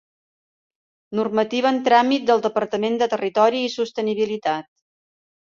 Normativa en tràmit del Departament de Territori i Sostenibilitat.